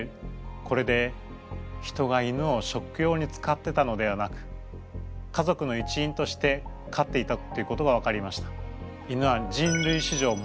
これで人が犬を食用に使ってたのではなく家族の一員としてかっていたということが分かりました。